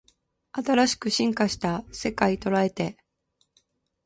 新しく進化した世界捉えて